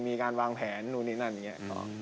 มีการวางแผนนู่นนี่นั่นนี่